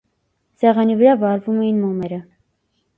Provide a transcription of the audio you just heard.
Սեղանի վրա վառվում էին մոմերը: